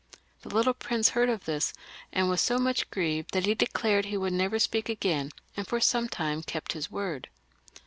The little prince heard of this, and was so much grieved that he declared he would never speak again, and XLix.] THE REVOLUTION. 415 for some time kept his word.